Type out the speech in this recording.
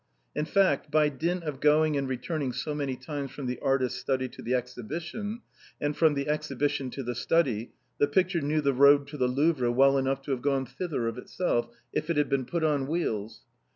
In fact, by dint of going and returning so many times from the artist's study to the Exhibition, and from the Exhibition to his study, the picture knew the road to the Louvre well enough to have gone thither of itself, if it had been put on wheels.